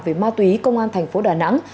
với ma túy công an thành phố đà nẵng